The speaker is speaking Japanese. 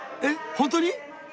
本当に！？